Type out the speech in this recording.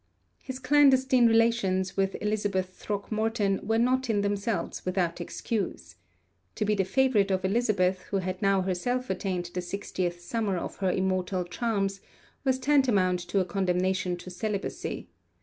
His clandestine relations with Elizabeth Throckmorton were not in themselves without excuse. To be the favourite of Elizabeth, who had now herself attained the sixtieth summer of her immortal charms, was tantamount to a condemnation to celibacy.